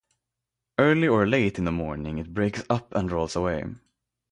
Early or late in the morning it breaks up and rolls away.